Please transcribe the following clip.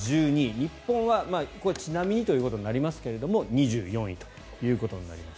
日本はちなみにということになりますが２４位ということになります。